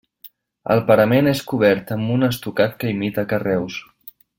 El parament és cobert amb un estucat que imita carreus.